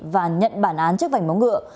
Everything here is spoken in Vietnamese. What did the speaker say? và nhận bản án trước vảnh móng ngựa